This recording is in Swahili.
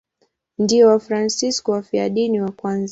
Ndio Wafransisko wafiadini wa kwanza.